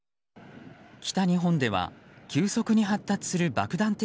北日本では急速に発達する爆弾